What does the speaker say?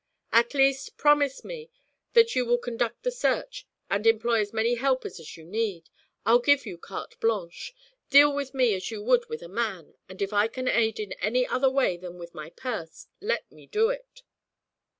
At least, promise me that you will conduct the search, and employ as many helpers as you need. I'll give you carte blanche. Deal with me as you would with a man, and if I can aid in any other way than with my purse, let me do it.'